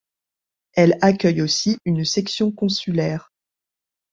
Elle accueille aussi une section consulaire.